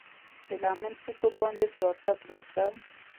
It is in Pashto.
د لمن څوکو باندې، پراته، پراته